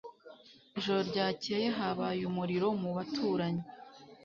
Ijoro ryakeye habaye umuriro mu baturanyi